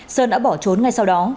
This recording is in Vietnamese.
sơn đã bỏ trốn ngay sau đó